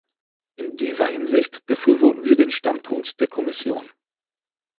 In dieser Hinsicht befürworten wir den Standpunkt der Kommission.